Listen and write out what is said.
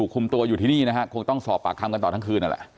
คุมตัวอยู่ที่นี่นะฮะคงต้องสอบปากคำกันต่อทั้งคืนนั่นแหละ